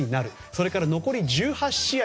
それから残り１８試合